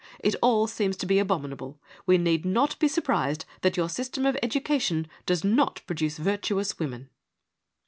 It all seems to be abominable. We need not be surprised that your system of education does not produce virtuous women.'